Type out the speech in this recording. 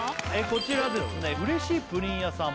こちらですねうれしいプリン屋さん